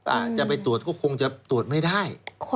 อาจจะไปตรวจก็คงจะตรวจไม่ได้